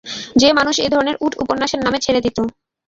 সে সময় মানুষ এ ধরনের উট উপাস্যের নামে ছেড়ে দিত।